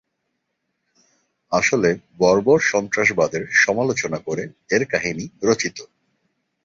আসলে বর্বর সন্ত্রাসবাদের সমালোচনা করে এর কাহিনী রচিত।